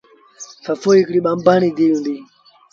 سسئيٚ هڪڙي ٻآنڀڻ ريٚ ڌيٚ هُݩديٚ۔